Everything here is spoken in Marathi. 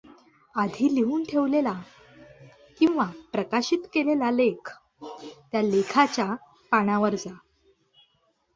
आधी लिहून ठेवलेला किंवा प्रकाशित केलेला लेख त्या लेखाच्या पानावर जा.